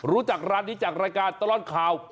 รู้จักร้านนี้จากรายการตลอดข่าว